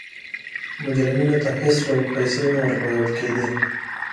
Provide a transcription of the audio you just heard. مجرمینو ته هېڅ ډول پیسې نه ورکول کېده.